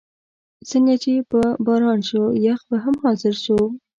څنګه چې به باران شو، یخ به هم حاضر شو.